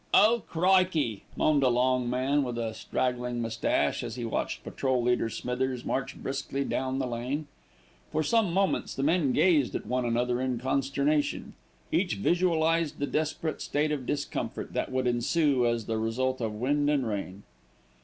"Oh crikey!" moaned a long man with a straggling moustache, as he watched Patrol leader Smithers march briskly down the lane. For some moments the men gazed at one another in consternation; each visualised the desperate state of discomfort that would ensue as the result of wind and rain.